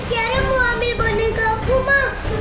yara mau ambil boneka aku ma